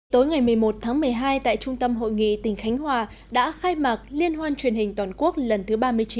tối ngày một mươi một tháng một mươi hai tại trung tâm hội nghị tỉnh khánh hòa đã khai mạc liên hoan truyền hình toàn quốc lần thứ ba mươi chín